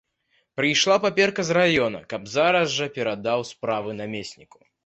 Прыйшла паперка з раёна, каб зараз жа перадаў справы намесніку.